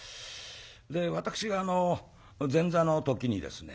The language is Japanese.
で私が前座の時にですね。